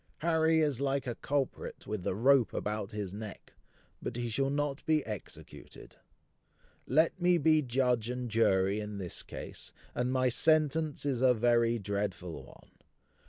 Harry is like a culprit with the rope about his neck; but he shall not be executed. Let me be judge and jury in this case; and my sentence is a very dreadful one.